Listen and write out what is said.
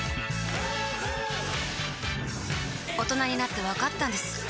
大人になってわかったんです